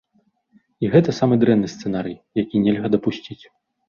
І гэта самы дрэнны сцэнарый, які нельга дапусціць.